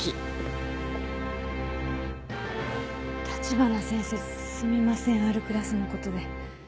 橘先生すみませんＲクラスのことで。